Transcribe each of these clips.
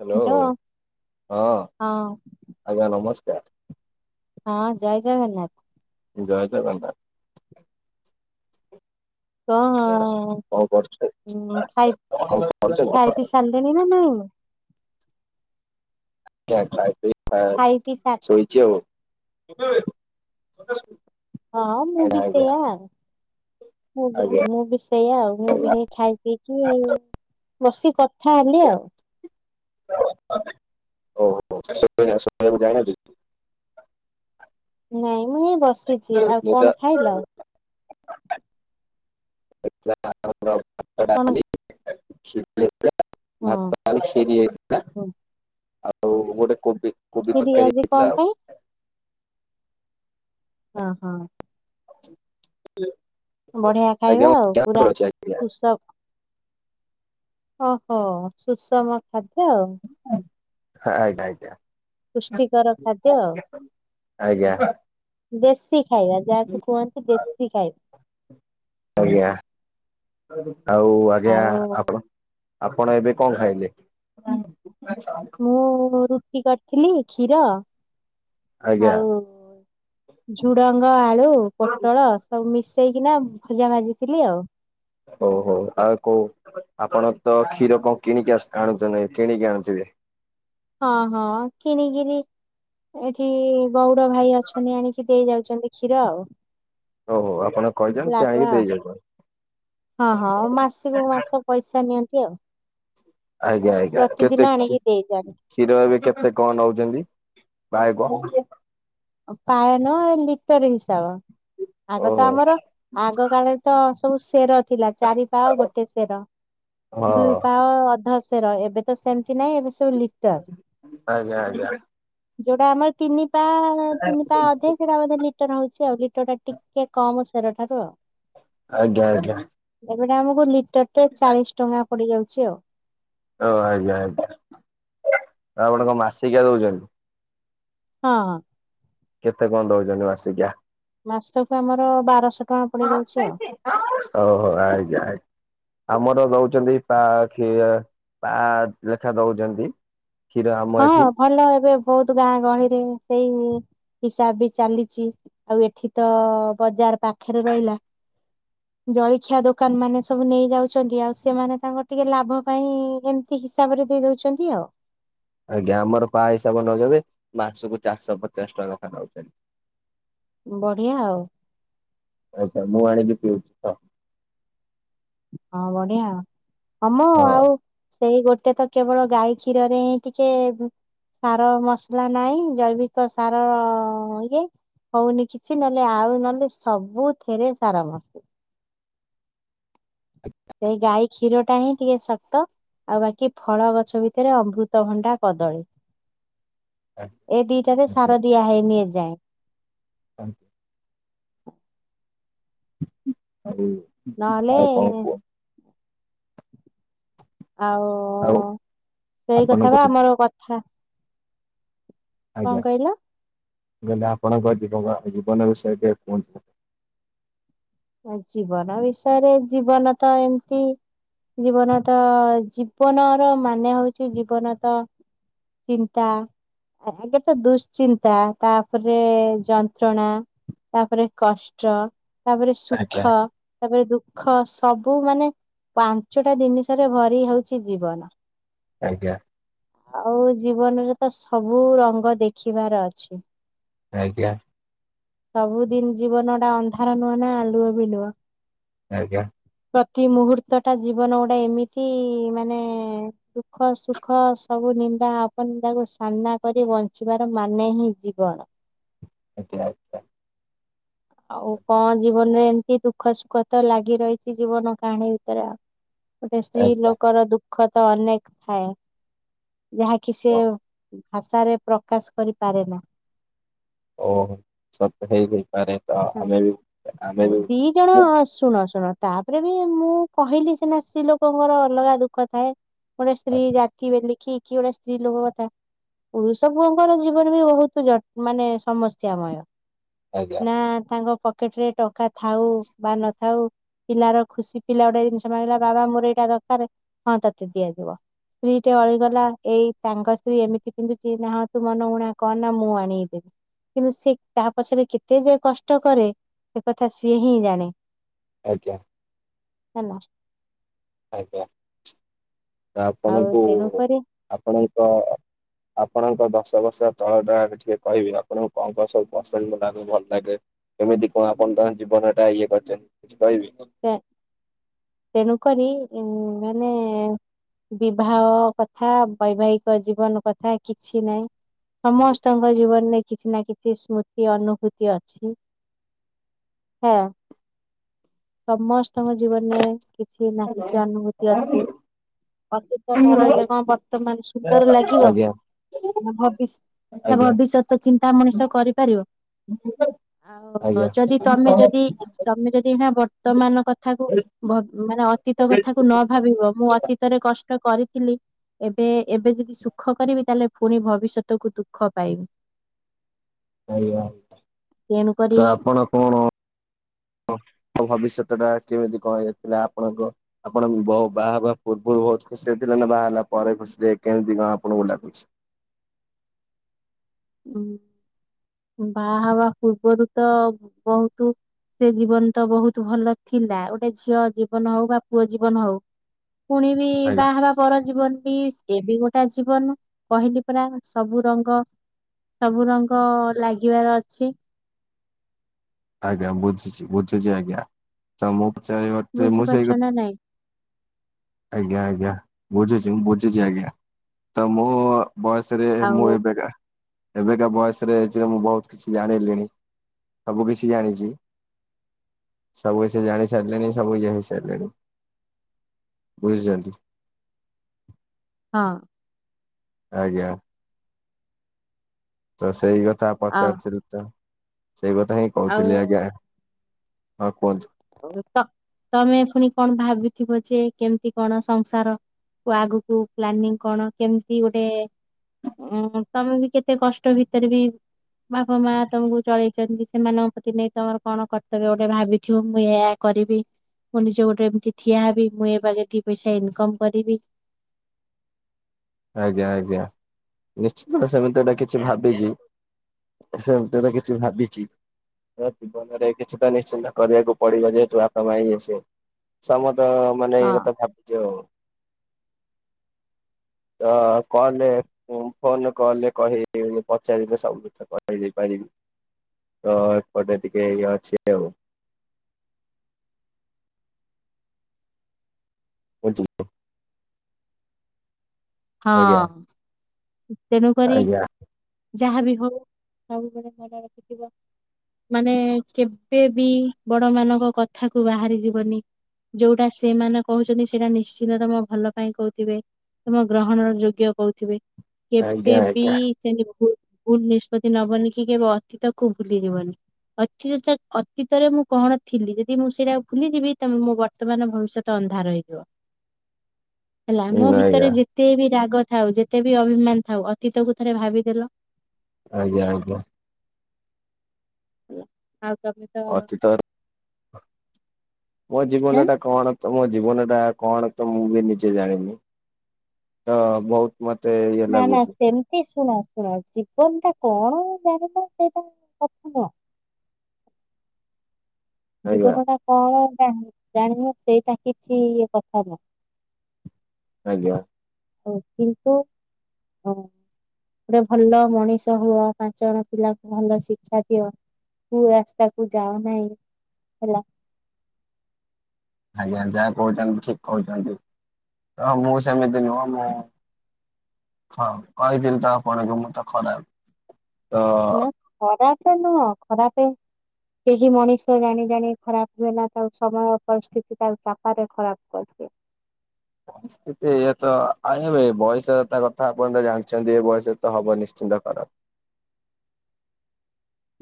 Hello hello ହଁ ହଁ ଆଜ୍ଞା ନମସ୍କାର। ହଁ ଜୟ ଜଗନ୍ନାଥ। ଜୟ ଜଗନ୍ନାଥ। କଣ ହଉ କରଛନ୍ତି [unintelligible] ସଣ୍ଡେ [unintelligible] [unintelligible] ଖାଇ ପିଇ ସା ଶୋଇଚି ଆଉ। ହଁ ମୁଁ ଆଜ୍ଞା ବି ଆଜ୍ଞା ସେଇୟା। ମୁଁ ବି ଆଜ୍ଞା ମୁଁ ବି ସେଇଆ ଆଉ ମୁଁ ବି ହେଇ ଖାଇ ପିଇକି ଆଉ। ବସିିକି କଥା ହେଲି ଆଉ। [unintelligible] ଯାଇନାହନ୍ତି। ନାଇଁ ମୁଁ ଏଇ ବସିଚି ଆଉ ନିଦ କଣ ଖାଇଲ [unintelligible] ଆଉ ଖିରି କଣ ହଁ ହୋଇଥିଲା ହଁ, ଆଉ ଗୋଟେ କୋବି କୋବି ଖିରି ତରକାରୀ ଆଜି ହେଇଥିଲା କଣ ଆଉ। ପାଇଁ ଅ ହଁ। ବଢିଆ ଆଜ୍ଞା ଖାଇବା ମୁଁ ଆଉ ପୁରା କ୍ୟାମ୍ପରେ ଅଛି ଆଜ୍ଞା ସୁଷ ଓହୋ ସୁଷମ ଖାଦ୍ୟ ଆଉ। ଆ ଆଜ୍ଞା। ପୁଷ୍ଟିକର ଖାଦ୍ୟ। ଆଜ୍ଞା। ଦେଶୀ ଖାଇବା ଯାହାକୁି କୁହନ୍ତି ଦେଶୀ ଖାଇବା। ଆଜ୍ଞା ଆଉ ଆଜ୍ଞା ଆଉ ଆପଣ ଆପଣ ଏବେ କଣ ଖାଇଲେ ମୁଁ ରୁଟି କରିଥିଲି କ୍ଷୀର ଆଜ୍ଞା? ଆଉ ଝୁଡଙ୍ଗ ଆଳୁ ପୋଟଳ- ସବୁ ମିଶେଇକିନା ଭଜା ଭାଜିଥିଲି ଆଉ। ହଉ ହଉ ଆଉ କୋଉ ଆପଣ ତ କ୍ଷୀର କଣ କିଣିକି ଆଣୁଚନ୍ତି କିଣିକି ଆଣୁଥିବେ। ହଁ ହଁ କିଣିକିରି ଏଠି ଗଉଡ ଭାଇ ଅଛନ୍ତି ଆଣିକି ଦେଇ ଯାଉଛନ୍ତି କ୍ଷୀର ଆଉ ଓ ହୋ ଆପଣ କହିଛନ୍ତି ସେ ଲାଗୁଆ ଆଣିକି ଦେଇଯାଉଛନ୍ତି ହଁ ହଁ ମାସକୁ ମାସ ପଇସା ନିଅନ୍ତି ଆଉ ଆଜ୍ଞା ଆଜ୍ଞା ପ୍ରତିଦିନ କେତେ କ୍ଷୀ ଆଣିକି ଦେଇଯାଆନ୍ତି କ୍ଷୀର ଏବେ କେତେ କଣ ନଉଛନ୍ତି ପାଏ ଇଏ କୁ ପାଏନୁ ଏ ଲିଟର ହିସାବ ଆଗ ତ ହଁ ଆମର ଆଗ କାଳରେ ତ ସବୁ ଶେର ଥିଲା ଚାରିପା ଗୋଟେ ଶେର ଦୁଇ, ପା ଅଧଶେର ଏବେ ତ ସେମିତି ନାହିଁ ଏବେ ସବୁ ଲିଟର ଆଜ୍ଞା ଆଜ୍ଞା ଯୋଉଟା ଆମର ତିନି ପା ତିନି ପା ଅଧେ ସେଟା ବୋଧେ ଲ ଲିଟ ହଉଛି ଆଉ ଲିଟର ଟା ଟିକେ କମ ଶେର ଠାରୁ ଆଉ, ଆଜ୍ଞା ଆଜ୍ଞା ଏବେଟା ଆମକୁ ଲିଟର ଟେ ଚାଳିସି ଟଙ୍କା ପଡି ଯାଉଚି ଆଉ। ଓ ଆଜ୍ଞା ଆଜ୍ଞା ଆପଣ କଣ ମାସିକିଆ ଦଉଚନ୍ତି। ହଁ ହଁ। କେତେ କଣ ଦଉଚନ୍ତି ମାସିକାଆ? ମାସକୁ ଆମର ବାରଶହ। ଟଙ୍କା ପଡିଯାଉଛି ଆଉ। ଓ ହୋ ଆଜ୍ଞା ଆଜ୍ଞା। ଆମର ଦଉଛନ୍ତି ପା ଖି ପା ଲେଖା ଦଉଚନ୍ତି। କ୍ଷୀର ଆମ ହଁ ଏଠି ଭଲ ଏବେ ବହୁତ ଗାଁ ଗହଳିରେ ସେଇ ହିସାବ ବି ଚାଲିଚି ଆଉ ଏଠି ତ ବଜାର ପାଖରେ ରହିଲା। ଜଳିଖିଆ ଦୋକାନ ମାନେ ସବୁ ନେଇ ଯାଉଚନ୍ତି ଆଉ ସେମାନେ ତାଙ୍କ ଟିକେ ଲାଭ ପାଇଁ ଏମ କିହିସାବରେ ଦେଇ ଦଉଚନ୍ତି ଆଉ। ଆଜ୍ଞା ଆମର ପା ହିସାବ ନଉଚନ୍ତି ମାସକୁ ଚାରିଶହ ପଚାଶ ଟଙ୍କା ଲେଖା ଖାଉଚନ୍ତି। ବଢିଆ ଆଉ। ଆଚ୍ଛା ମୁଁ ଆଣିକି ପିଇଉଚି ତ। ହଁ ବଢିଆ ଆଉ ହମ ହଁ ଆଉ ସେଇ ଗୋଟେ ତ କେବଳ ଗାଈ କ୍ଷୀରରେ ହିଁ ଟିକେ ସାର ମସଲା ନାଇଁ ଜୈବିକ ସାର ଇଏ ହଉନି କିଛି ନହେଲେ ଆଉ ନହେଲେ ସବୁଥେରେ ସାର ମ ହ [inaudible] [inaudible] ସେ ଗାଈ ଖିରଟା ହିଁ ଟିକେ ଶକ୍ତ। ଆଉ ବାକି ଫଳ ଗଛ ଭିତରେ ଅମୃତଭଣ୍ଡା କଦଳୀ। ଏ ଦିଟାରେ ସାର ଦିଆ ହେଇନି ଏଯାଏଁ। ହୁଁ। ଆଉ ନହେଲେ ଆଉ କଣ କୁହ ଆଉ ଆଉ ସେଇ କଥା ଆପଣଙ୍କ ବା ଆମର କଥା କଣ ଆଜ୍ଞା କହିଲ ମୁଁ କହିଲି ଆପଣଙ୍କ ଜୀବ ଜୀବନ ବିଷୟ ଟିକେ କୁହନ୍ତୁ। ଅଁ ଜୀବନ ବିଷୟରେ ଜୀବନ ତ ଏମିତି ଜୀବନ ତ ଜୀବନ ର ମାନେ ହଉଚି ଜୀବନ ତ ଚିନ୍ତା ଆଗ ତ ଦୁଶ୍ଚିନ୍ତା ତାପରେ ଯନ୍ତ୍ରଣା ତାପରେ କଷ୍ଟ ତାପରେ ଆଜ୍ଞା ସୁଖ ତାପରେ ଦୁଃଖ ସବୁ ମାନେ ପାଞ୍ଚଟା ଜିନିଷରେ ଭରି ହଉଚି ଜୀବନ। ଆଜ୍ଞା। ଆଉ ଜୀବନରେ ତ ସବୁ ରଙ୍ଗ ଦେଖିବାର ଅଛି। ଆଜ୍ଞା। ସବୁ ଦିନି ଜୀବନ ଟା ଅନ୍ଧାର ନୁହଁ ନା ଆଲୁଅ ବି ନୁହଁ। ଆଜ୍ଞା। ପ୍ରତି ମୁହୂର୍ତ୍ତଟା ଜୀବନ ଗୋଟେ ଏମିତି ମାନେ ଦୁଃଖ, ସୁଖ ସବୁ ନିନ୍ଦା, ଅପନିନ୍ଦାକୁ ସାମ୍ନା କରି ବଞ୍ଚିବାର ମାନେ ହିଁ ଜୀବନ। ଆଜ୍ଞା ଆଚ୍ଛା। ଆଉ କଣ ଜୀବନରେ ଏମତି ଦୁଃଖ, ସୁଖ ତ ଲାଗି ରହିଚି ଜୀବନ କାହାଣୀ ଭିତରେ ଆଉ। ଗୋଟେ ସ୍ତ୍ରୀ ଆଜ୍ଞା ଲୋକର ଦୁଃଖ ତ ଅନେକ ଥାଏ ଯାହାକି ହଁ। ସିଏ ଭାଷାରେ ପ୍ରକାଶ କରିପାରେନା। ଓହୋ ସବ ତ ହେଇ ହେପାରେ ତ ଆମେ ବି! ଆମେ ହହୁ ବି ଦି ତେଣୁ ମୁଁ ଶୁଣ ଶୁଣ ତାପରେ ବି ମୁଁ କହିଲି ସିନା ସ୍ତ୍ରୀ ଲୋକଙ୍କର ଅଲଗା ଦୁଃଖ ଥାଏ। ଗୋଟେ ସ୍ତ୍ରୀ ଆଜ୍ଞା ଜାତିିବ ଲେଖିକି ଗୋଟେ ସ୍ତ୍ରୀ ଲୋକ କଥା। ପୁରୁଷ ପୁଅଙ୍କର ଜୀବନ ବି ବହୁତ ଜ ମାନେ ସମସ୍ୟାମୟ। ଆଜ୍ଞା ନା ତାଙ୍କ ପକେଟରେ ଟଙ୍କା ଥାଉ ବା ନଥାଉ, ପିଲାର ଖୁସି ପିଲା ଗୋଟେ ଜିନିଷ ମାଗିଲା ବାବା ମୋର ଏଇଟା ଦରକାର, ହଁ ତତେ ଦିଆଯିବ। ସ୍ତ୍ରୀ ଟେ ଅଳିଗଲା ଏଇ ତାଙ୍କ ସ୍ତ୍ରୀ ଏମିତି ପିନ୍ଧୁଛି ନାହା ତୁ ମନ ଉୁଣା କଣ ନା ମୁଁ ଆଣିକିଦେବି। କିନ୍ତୁ ସିଏ ତାହା ପଛରେ କେତେ ଯେ କଷ୍ଟ କରେ ସେ କଥା ସିଏ ହିଁ ଜାଣେ। ଆଜ୍ଞା। ହେଲା। ଆଜ୍ଞା ତ, ଆଉ ଆପଣଙ୍କୁ ତେଣୁକରି ଆପଣଙ୍କ, ଆପଣଙ୍କ ଦଶ ବର୍ଷ ତଳ ଟା ଟିକେ କହିବି ଆପଣଙ୍କୁ କଣ କଣ ସବୁ ପସନ୍ଦ ଲାଗେ, ଭଲ ଲାଗେ। କେମିତି କଣ ଆପଣ ତାଙ୍କ ଜୀବନ ଏଟା ଇଏ କରିଛନ୍ତି କିଛି କହିବେକି? ତେ ତେଣୁକରି ଉ ମାନେ, ବିବାହ କଥା ବୈବାହିକ ଜୀବନ କଥା କିଛି ନାହିଁ ସମସ୍ତଙ୍କ, ଆ ଜୀବନରେ କିଛି ନା କିଛି ସ୍ମୃତି ଅନୁଭୂତି ଅଛି, ହଁ। ସମସ୍ତଙ୍କ ଜୀବନରେ କିଛି ନା ଆଜ୍ଞା କିଛି ଅନୁଭୂତି ଅଛି। ଅତୀତ ନ ଆଜ୍ଞା ରହିଲେ କଣ ବର୍ତ୍ତମାନ ସୁନ୍ଦର ଲାଗିବ? ଭବିଷ୍ୟ ଆଜ୍ଞା। ଭବିଷ୍ୟତ ଚିନ୍ତା ମଣିଷ କରିପାରିବ। ଆଉ ଆଜ୍ଞା ଯଦି ତମେ ଯଦି ତମେ ଯଦି ହେଟା ବ- ତ ମାନ କଥାକୁ ମାନେ ଅତୀତ କଥାକୁ ନ- ଭାବିବ ମୁଁ ଅତୀତରେ କଷ୍ଟ କରିଥିଲି, ଏବେ ଏବେ ଯଦି ସୁଖ କରିବି ତାହେଲେ, ପୁଣି ଭବିଷ୍ୟତକୁୁ ଦୁଃଖ ପାଇବି। ଆଜ୍ଞା ତେଣୁକରି ତ ଆପଣ କଣ? ମୋ ଭବିଷ୍ୟତଟା କେମିତି କଣ? ଯାଇଥିଲା ଆପଣଙ୍କ ଆପଣ ବ ବାହା ବା ପୂର୍ବରୁ ବହୁତ ଖୁସିରେଥିଲେ ନା ବାହା ହେଲା ପରେ ଖୁସିରେ କେମିତି କଣ ଆପଣଙ୍କୁ ଲାଗୁଛି। ହଁ ବାହା ହେବା ପୂର୍ବରୁ ତ ବହୁତ, ସେ ଜୀବନ ତ ବହୁତ ଭଲ ଥିଲା, ଗୋଟେ ଝିଅ ଜୀବନ ହଉ ବା ପୁଅ ଜୀବନ ହଉ। ପୁଣି ବି ଆଜ୍ଞା ବାହା ହେବା ପର ଜୀବନ ବି, ଏ ବି ଗୋଟେ ଜୀବନ, କହିଲି ପରା ସବୁ ରଙ୍ଗ ସବୁ ରଙ୍ଗ ଲାଗିବାର ଅଛି। ଆଜ୍ଞା ବୁଝୁଛି ବୁଝୁଛି ଆଜ୍ଞା ତ ମୁଁ ପଚାରତେ ମୁଁ ବୁଝିପାରୁଛ ସେଇ କ ନା ନାଇଁ ଆଜ୍ଞା ଆଜ୍ଞା ବୁଝୁଛି ମୁଁ ବୁଝୁଛି ଆଜ୍ଞା ତ ମୁଁ, ବୟସରେ ମୁଁ ଆଉ ଏବେକା ଏବେକା ବୟସରେ ଯେ ମୁଁ ବହୁତ କିଛି ଜାଣିଲିଣି। ସବୁ କିଛି ଜାଣିଛି ସବୁ କିଛି ଜାଣି ସାରିଲିଣି ସବୁ କିଛି ହେଇସାରିଲିଣି। ବୁଝିଛନ୍ତି। ହଁ। ଆଜ୍ଞା। ତ ସେଇ କଥା ଆଉ ପଚାରୁଥିଲି ତ ସେଇ କଥା ହିଁ କହୁଥିଲି ଆଜ୍ଞା। ଆଉ ହଁ କୁହନ୍ତୁ। ତମେ ପୁଣି କଣ ଭାବିଥିବ ଯେ କେମିତି କଣ ସଂସାର, ଆଗକୁ ପ୍ଲାନିଂ କଣ କେମିତି ଗୋଟେ ଓଁ ତମେ ବି କେତେ କଷ୍ଟ ଭିତରେ ବି ବାପା ମା ତମକୁ ଚଳେଇଚନ୍ତି ସେମାନ ପ୍ରତି ନେଇ ତମର କଣ କର୍ତ୍ତବ୍ୟ ଗୋଟେ ଭାବିଚି ତୁମେ ଏଆ କରିବି। ମୁଁ ନିଜ ଗୋଡେ ରେ ଏମିତି ଠିଆ ହେବି ମୁଁ ଏ ବାଗେ ଦି ପଇସା ଇନକମ୍ କରିବି। ଆଜ୍ଞା ଆଜ୍ଞା ନିଶ୍ଚିତ ସେମିତି ଗୋଟେ କିଛି ଭାବିଚି। ସେମିତି ହେଲେ କିଛି ଭାବିଚି। ତ ଜୀବନରେ କିଛିତ ନିଶ୍ଚିନ୍ତ କରିବାକୁ ପଡିିବ ଯେହେତୁ ଆ କପା ମାଇ ଆସେ। ସମ ତ ମାନେ ଏଇ ହଁ। କଥା ଭାବୁଛି ଆଉ। ତଅଁ କଲ୍ ରେ ମୁଁ ଫୋନ କଲ୍ କହି ପଚାରିଲେ ସବୁ କେରେଇ ଦେଇେଇ ପାରିବି। ତ ଏପଟେ ଟିକେ ଇଏ ଅଛି ଆଉ। ବଞ୍ଚି ଯିବ। ହଁ ଆଜ୍ଞା ତେଣୁ କରି ଆଜ୍ଞା ଯାହାବି ହଉ ସବୁବେଳେ ମଜା ମସ୍ତି ଥିବ। ମାନେ କେବେବି ବଡ ମାନଙ୍କ କଥା କୁ ବାହାରି ଯିବନି ଯୋଉଟା ସେମାନେ କହୁଚନ୍ତି ସେଇଟା ନିଶ୍ଚିନ୍ତ ତମ ଭଲ ପାଇଁ କହୁଥିବେ। ତମ ଗ୍ରହଣର ଯୋଗ୍ୟ କହୁଥିବେ କେବେ ଆଜ୍ଞା ବି ଆଜ୍ଞା ସେମିତି ଭୁଲ୍ ଭୁଲ୍ ନିଷ୍ପତ୍ତି ନବନି କି କେବେ ଅତୀତକୁ ଭୁଲିଯିବନି। ଅତୀତ ଅତୀତରେ ମୁଁ କଣ ଥିଲି ଯଦି ମୁଁ ସେଇଟା ଭୁଲିଯିବି ତମେ ମୋ ବତ୍ ବର୍ତ୍ତମାନ ଭବିଷ୍ୟତ ଅନ୍ଧାର ହେଇଯିବ। ହେଲା ହୁଁ ଆମ ଭିତରେ ଆଜ୍ଞା ଯେତେ ବି ରାଗ ଥାଉ ଯେତେ ବି ଅଭିମାନ୍ ଥାଉ ଅତୀତକୁ ଥରେ ଭାବିଦେଲ। ଆଜ୍ଞା ଆଜ୍ଞା। ଆଉ ତମେ ତ ଅତୀତ ମୋ ଜୀବନ ହେଁ ଟା କଣ ତ ମୋ ଜୀବନ ଟା କଣ ତ ମୁଁ ବି ନିଜେ ଜାଣିନି ତ ବହୁତ୍ ମତେଇ ନା ନା ସେମ୍ ଏ ଶୁଣ ଶୁଣ ଜୀବନ୍ ଟା କଣ ଜାଣିବା ସେଇଟା କଥା ନୁହଁ ଆଜ୍ଞା ଜୀବନ ଟା କଣ ଜାଣି ଜାଣିନୁ ସେଇଟା କିଛି କଥା ନୁହ ଆଜ୍ଞା। ହ କିନ୍ତୁ ହଁ। ଗୋଟେ ଭଲ ମଣିଷ ହୁଅ ପାଞ୍ଚ ଜଣ ପିଲାକୁ ଭଲ ଶିକ୍ଷା ଦିଅ କୁ ରାସ୍ତାକୁୁ ଯାଅ ନାହିଁ ହେଲା। ଆଜ୍ଞା ଯାହା କହୁଛନ୍ତି ଠିକ୍ କହୁଛନ୍ତି ତ ମୁଁ ସେମିତି ନୁହଁ ମୁଁ ହଁ କହିଥିଲି ତ ଆପଣଙ୍କୁ ମୁଁ ତ ଖରାପ୍ ହେଲା ଖରାପ୍ ଟା ନୁହ ଖରାପେ କେହି ମଣିଷ ଜାଣି ଜାଣି ଖରାପ୍ ହୁଏନା ତାକୁ ସମୟ ପରିସ୍ଥିତି ତାକୁ ଚାପରେ ଖରାପ୍ କର୍ଦିଏ। ପରିସ୍ଥିତି ଏୟାତ ଆ ଏବେ ବୟସ ତା କଥା ଆପଣନ୍ତ ଜାଣିଚନ୍ତି ଏ ବୟସ ତ ହବ ନିଶ୍ଚିନ୍ତ କର। [inaudible]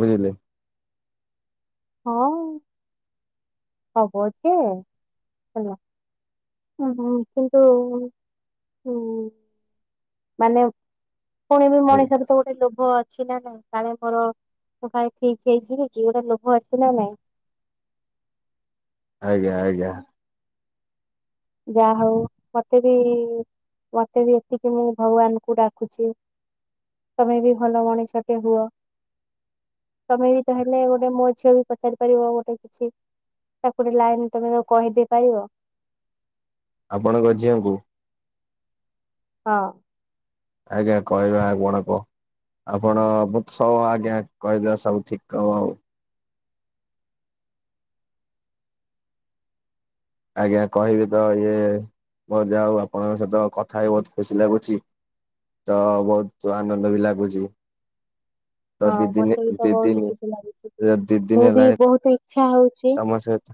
ବୁଝିଲେ? ହଁ ହବ ଯେ ହେଲା ହୁଁ ହୁଁ କିନ୍ତୁ ହୁଁ। ମାନେ ପୁଣି ବି ଆଜ୍ଞା ମଣିଷର ତ ଗୋଟେ ଲୋଭ ଅ ଅଛି ନା ନା କାଳେ ମୋର ମୁ କାଳେ କିଚି ହେଇଯିବି ଝିଅଟା ଲୋଭ ଅଛି ନା ନାଇ? ଆଜ୍ଞା ଆଜ୍ଞା। ଯାହା ହଉ ମତେ ବି ମତେ ବି ଏତିକି ମୁଁ ଭଗବାନ୍ ଙ୍କୁ ଡାକୁଚି ତମେ ବି ଭଲ ମଣିଷଟେ ହୁଅ। ତମେ ବି ତା ହେଲେ ଗୋଟେ ମୋ ଝିଅ କୁ ପଚାରି ପାରିବ ଗୋଟେ କିଛି। ତାକୁ ଗୋଟେ ଲାଇନ୍ ତମେ କହିଦେଇ ପାରିବ। ଆପଣଙ୍କ ଝିଅଁ ଙ୍କୁ? ହଁ। ଆଜ୍ଞା କହିବା [inaudible] ବଡ ପ। ଆପଣ ବୁକ୍ ଷବ୍ କହିଦିଅ ସବୁ ଠିକ୍ ହବ ଆଉ। ଆଜ୍ଞା କହିବି ତ ଇଏ ମୋର ଯା ଆଉ ଆପଣଙ୍କ ସହିତ କଥା ହେଇ ବହୁତ୍ ଖୁସି ଲାଗୁଚି। ତ ବହୁତ୍ ଆନନ୍ଦ ବି ଲାଗୁଚି। ହଁ ମତେ ବି ତ ଦି ଦିନ ବହୁତ ଖୁସି ଲାଗୁଚି ଦି ଦିନ ମୁଁ ବି ହେଲାଣି ବହୁତ ଇଚ୍ଛା ହଉଚି। ତମ ସହିତ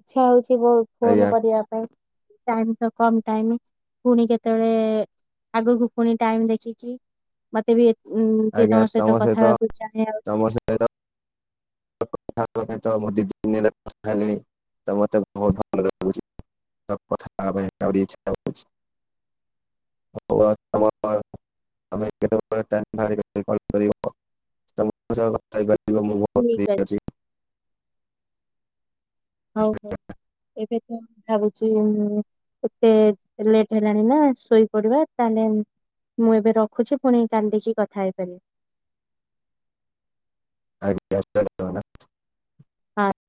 ଇଛା ହଉଛି ବହୁତ୍ ଆଜ୍ଞା ଫୋନ୍ କରିବା ପାଇଁ। ଟାଇମ୍ ତ କମ ଟାଇମ୍ ପୁଣି କେତବେଳେ ଆଗକୁ ପୁଣି ଟାଇମ୍ ଦେଖିକି ମତେ ବି ଏ ଟିକେ ତମ ସହିତ କଥା ହେବାକୁ ଚାହେଁ ଆଉ ତମ ସହିତ କଥା ହେବ। ପାଇଁ ତମୁଁ ଦିଦିନି ହେଲା କଥାହେଲିଣି। [unintelligible] ତମେ ମତେ ବହୁତ ଭଲ ଲାଗୁଛିକଥା ହେପାଇଁ ଆହୁରି ଇଚ୍ଛା ହେଉଁଛି। [unintelligible] [unintelligible] ତମେ କେେବେଳେ ଟାଇଁମି ବାହାରକରି କି କଲ୍ କରିବ। ମୋ ସାଙ୍ଗରେ କଥା ହେଇପାରିବ ମୁଁ [unintelligible] ପ୍ରି ଅଛି। ହଉ ହଉ ଏବେ କେମ୍ ତି ଲାଗୁଚି ଉଁ ଏତେ ଲେଟ୍ ହେଲାଣି ନା ଶୋଇପଡିବା ତାନେ ମୁଁ ଏବେ ରଖୁଛି ପୁଣି କାନ୍ଦିକି କଥା ହେଇପାରିନି। ଆଜ୍ଞାାସାରେ। [inaudible] [unintelligible]